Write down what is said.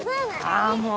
あぁもう！